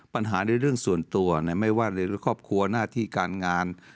ปัญหาในเรื่องส่วนตัวไม่ว่าในครอบครัวหน้าที่การงาน